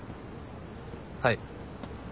はい。